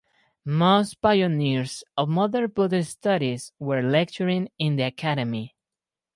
Most pioneers of modern Buddhist studies were lecturing in the Academy.